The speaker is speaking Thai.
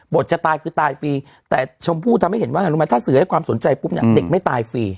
จะตายคือตายฟรีแต่ชมพู่ทำให้เห็นว่าไงรู้ไหมถ้าสื่อให้ความสนใจปุ๊บเนี่ยเด็กไม่ตายฟรี